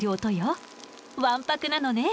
わんぱくなのね。